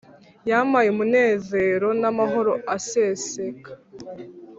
Yampaye umunezero n’amahoro aseseka